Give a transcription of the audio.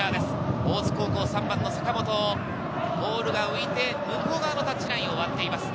大津高校３番の坂本、ボールが浮いて、向こう側のタッチラインを割っています。